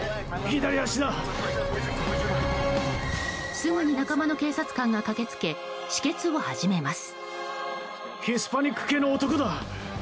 すぐに仲間の警察官が駆けつけ止血を始めます。